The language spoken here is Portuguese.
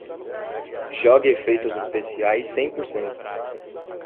Jogue efeitos especiais cem por cento